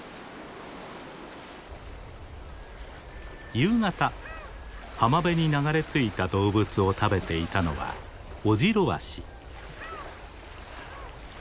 夕方浜辺に流れ着いた動物を食べていたのはオジロワシ。